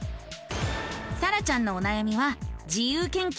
さらちゃんのおなやみはそうです！